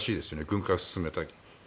軍拡を進めたら。